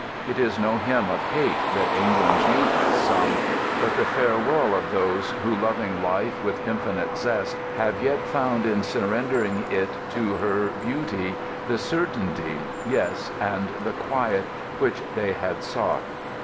It is no hymn of hate that England's youth has sung, but the farewell of those who, loving life with infinite zest, have yet found in surrendering it to her the Beauty, the Certainty, yes and the Quiet, which they had sought.